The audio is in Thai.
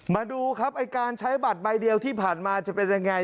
มาดูครับไอ้การใช้บัตรใบเดียวที่ผ่านมาจะเป็นยังไง